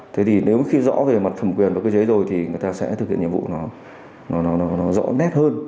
thế thì nếu khi rõ về mặt thẩm quyền và cơ chế rồi thì người ta sẽ thực hiện nhiệm vụ nó rõ nét hơn